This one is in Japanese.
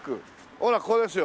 ほらこれですよ。